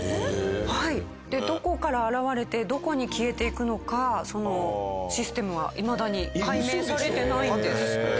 どこから現れてどこに消えていくのかそのシステムはいまだに解明されてないんですって。